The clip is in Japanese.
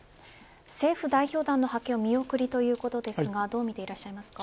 政府代表団の派遣を見送りということですがどう見ていますか。